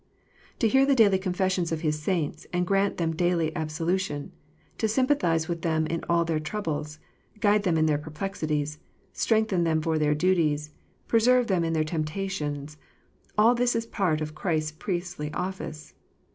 To hear the daily confessions of His saints, and grant them daily absolu tion ; to sympathize with them in all their troubles, guide them in their perplexities, strengthen them for their duties, preserve them in their temptations, all this is part of Christ s priestly office.